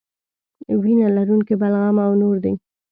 وینه لرونکي بلغم او نور دي.